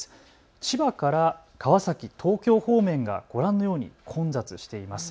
千葉から川崎・東京方面がご覧のように混雑しています。